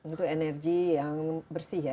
itu energi yang bersih ya